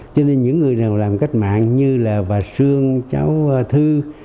cho nên những người nào làm cách mạng như là bà sương cháu thư